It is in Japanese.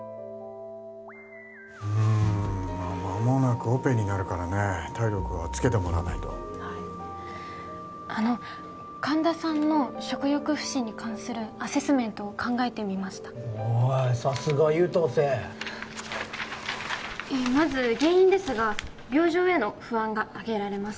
うーん間もなくオペになるからね体力はつけてもらわないとはいあの神田さんの食欲不振に関するアセスメントを考えてみましたおおさすが優等生まず原因ですが病状への不安があげられます